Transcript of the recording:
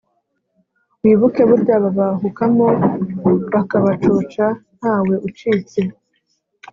Wibuke burya babahukamo Bakabacoca ntawe ucitse